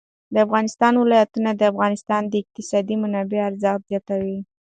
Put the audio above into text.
د افغانستان ولايتونه د افغانستان د اقتصادي منابعو ارزښت زیاتوي.